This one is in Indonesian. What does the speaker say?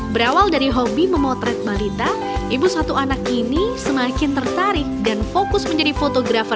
berawal dari hobi memotret balita ibu satu anak ini semakin tertarik dan fokus menjadi fotografer